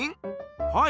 はい。